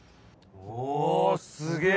おすげぇ。